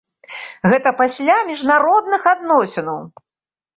Гэта пасля міжнародных адносінаў!